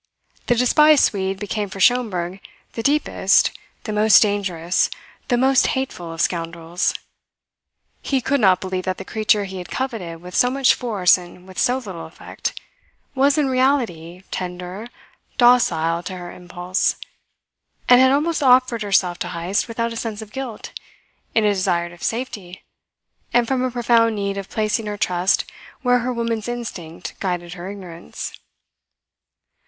The despised Swede became for Schomberg the deepest, the most dangerous, the most hateful of scoundrels. He could not believe that the creature he had coveted with so much force and with so little effect, was in reality tender, docile to her impulse, and had almost offered herself to Heyst without a sense of guilt, in a desire of safety, and from a profound need of placing her trust where her woman's instinct guided her ignorance.